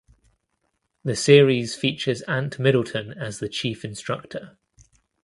The series features Ant Middleton as the chief instructor.